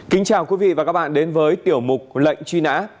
kính chào quý vị và các bạn đến với tiểu mục lệnh truy nã